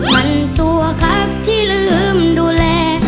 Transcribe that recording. มันสั่วคักที่ลืมดูแล